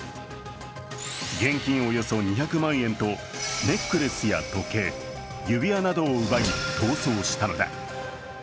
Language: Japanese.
現金およそ２００万円とネックレスや時計、指輪などを奪い、逃走したのだ。